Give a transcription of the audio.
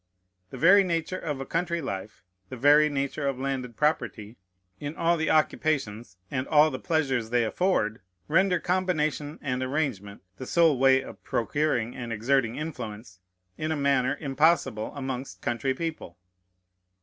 The very nature of a country life, the very nature of landed property, in all the occupations and all the pleasures they afford, render combination and arrangement (the sole way of procuring and exerting influence) in a manner impossible amongst country people.